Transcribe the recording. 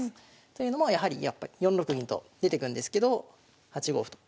というのもやはり４六銀と出てくんですけど８五歩と。